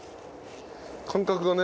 感覚がね。